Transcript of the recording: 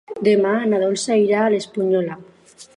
Demà na Dolça irà a l'Espunyola.